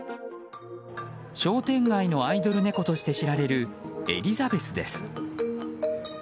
商店街のアイドル猫として知られる、エリザベスです。